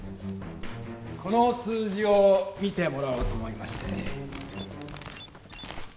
この数字を見てもらおうと思いましてね。